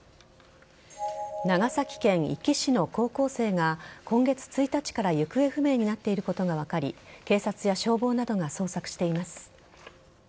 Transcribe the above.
長崎県壱岐市の高校生が今月１日から行方不明になっていることが分かり警察や消防などが捜索しています。